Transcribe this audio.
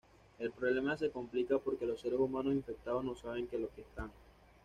El problema se complica porque los seres humanos infectados no saben que lo están.